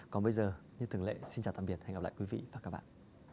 còn bây giờ như thường lệ xin chào tạm biệt hẹn gặp lại quý vị và các bạn